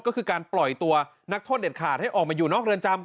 ก็คือการปล่อยตัวนักโทษเด็ดขาดให้ออกมาอยู่นอกเรือนจำ